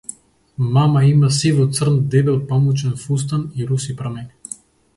Мама има сиво-црн дебел памучен фустан и руси прамени.